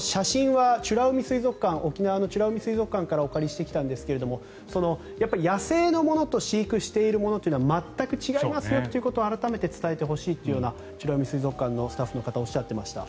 写真は沖縄の美ら海水族館からお借りしてきたんですが野生のものと飼育しているものは全く違いますよということを改めて伝えたほしいという美ら海水族館の方おっしゃっていました。